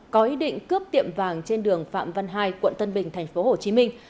có ý định cướp tiệm vàng trên đường phạm văn hai quận tân bình thành phố hồ chí minh